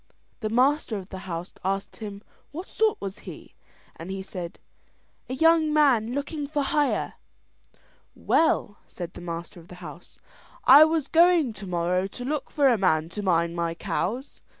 The master of the house asked him what sort was he, and he said: "A young man looking for hire." "Well," said the master of the house, "I was going tomorrow to look for a man to mind my cows.